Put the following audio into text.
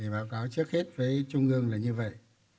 báo cáo trước hết với trung ương là như vậy